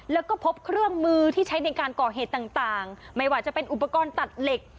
แล้วก็พบเครื่องมือที่ใช้ในการก่อเหตุต่างไม่ว่าจะเป็นอุปกรณ์ตัดเหล็ก